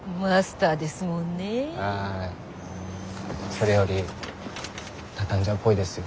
それより畳んじゃうっぽいですよ。